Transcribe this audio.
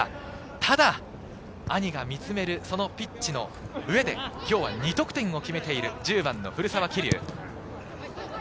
ただ兄が見つめるそのピッチの上で今日は２得点を決めている１０番・古澤希竜。